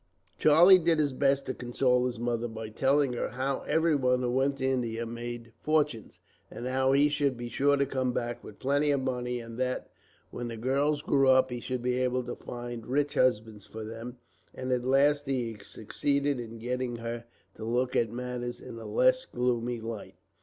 Charlie did his best to console his mother, by telling her how everyone who went to India made fortunes, and how he should be sure to come back with plenty of money; and that, when the girls grew up, he should be able to find rich husbands for them; and at last he succeeded in getting her to look at matters in a less gloomy light.